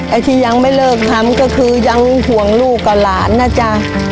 ไอ้ที่ยังไม่เลิกทำก็คือยังห่วงลูกกับหลานนะจ๊ะ